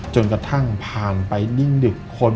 จนกระทั่งผ่านไปนิ่งดึกคน